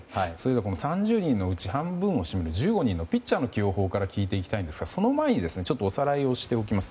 ３０人のうち半分を占める１５人のピッチャーの起用法から聞いていきたいんですがその前におさらいをしておきます。